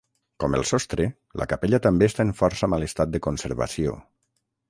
Com el sostre, la capella també està en força mal estat de conservació.